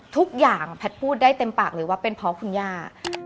ทุกอย่างแพทย์พูดได้เต็มปากเลยว่าเป็นเพราะคุณย่า